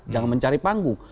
jangan mencari panggung